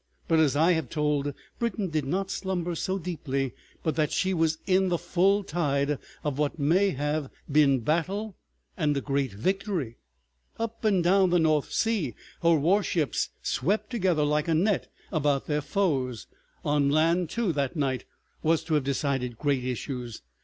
But as I have told, Britain did not slumber so deeply but that she was in the full tide of what may have been battle and a great victory. Up and down the North Sea her warships swept together like a net about their foes. On land, too, that night was to have decided great issues.